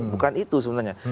bukan itu sebenarnya